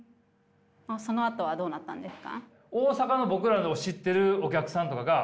そのあとはどうなったんですか？